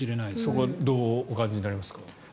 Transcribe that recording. そこはどうお感じになりますか？